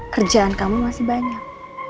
kerjaan kamu masih banyak